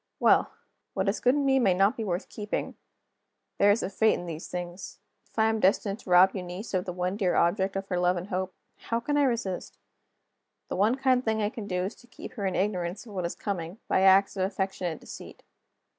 Well! what is good in me may not be worth keeping. There is a fate in these things. If I am destined to rob Eunice of the one dear object of her love and hope how can I resist? The one kind thing I can do is to keep her in ignorance of what is coming, by acts of affectionate deceit.